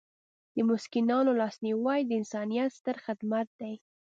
د مسکینانو لاسنیوی د انسانیت ستر خدمت دی.